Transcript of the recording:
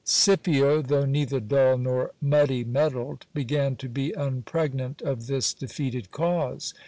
Scipio, though neither dull nor muddy mettled, began to be unpregnant of this defeated cause.